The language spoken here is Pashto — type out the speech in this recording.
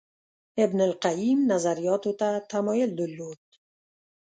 ابن القیم نظریاتو ته تمایل درلود